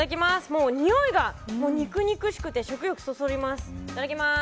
もうにおいが肉々しくて食欲そそります。